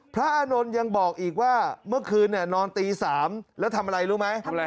อานนท์ยังบอกอีกว่าเมื่อคืนนอนตี๓แล้วทำอะไรรู้ไหม